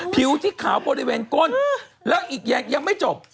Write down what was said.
ผิวที่ขาวบริเวณก้นแล้วอีกยังไม่จบ